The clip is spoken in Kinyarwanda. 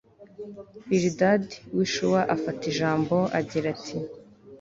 bilidadi w'i shuwa afata ijambo, agira ati